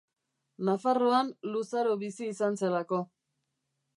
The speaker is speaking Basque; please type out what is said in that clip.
Nafarroan luzaro bizi izan zelako.